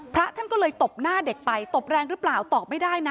พระท่านก็เลยตบหน้าเด็กไปตบแรงหรือเปล่าตอบไม่ได้นะ